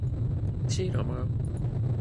吃了吗